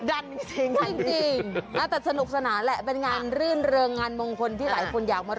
อันนี้เจ้าเป่าได้ไปซื้อรองเท้าใหม่